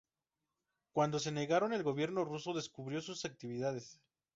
Cuando se negaron, el gobierno ruso descubrió sus actividades.